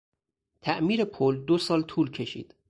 تعمیر پل دو سال طول کشید.